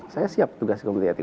saya siap tugas komite etik